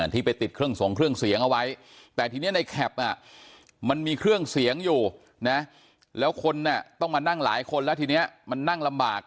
ที่ไปติดเครื่องส่งเครื่องเสียงเอาไว้แต่ทีนี้ในแคปมันมีเครื่องเสียงอยู่นะแล้วคนต้องมานั่งหลายคนแล้วทีนี้มันนั่งลำบาก